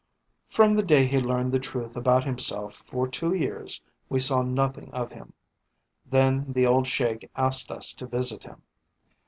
From the day he learned the truth about himself for two years we saw nothing of him. Then the old Sheik asked us to visit him.